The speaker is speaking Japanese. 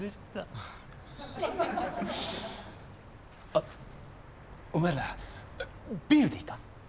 あっお前らビールでいいか？